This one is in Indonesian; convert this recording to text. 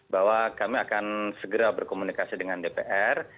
bahwa kami akan segera berkomunikasi dengan dpr